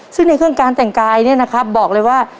ซึ่งในเครื่องการแต่งกายเนี่ยนะครับบอกเลยว่า